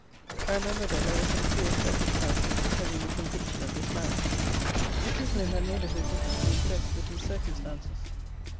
I remember that there were some curious circumstances attending the conviction of this man. The people in that neighbourhood were deeply impressed with these circumstances.